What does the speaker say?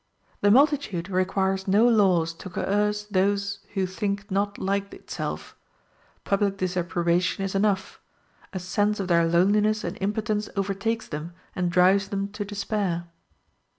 The multitude requires no laws to coerce those who think not like itself: public disapprobation is enough; a sense of their loneliness and impotence overtakes them and drives them to despair.